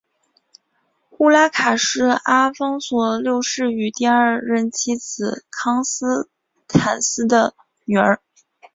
乌拉卡是阿方索六世与第二任妻子康斯坦丝的女儿。